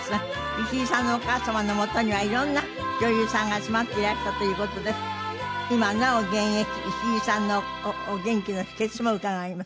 石井さんのお母様のもとにはいろんな女優さんが集まっていらしたという事で今なお現役石井さんのお元気の秘訣も伺います。